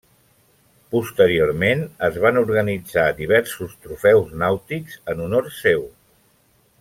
Posteriorment es van organitzar diversos trofeus nàutics en honor seu.